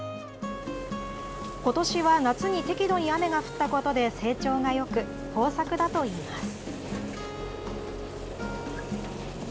ことしは夏に適度に雨が降ったことで、成長がよく、豊作だといいます。